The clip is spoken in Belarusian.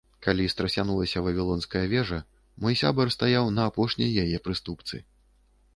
Калі страсянулася Вавілонская вежа, мой сябар стаяў на апошняй яе прыступцы.